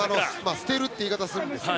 捨てるという言い方をするんですが。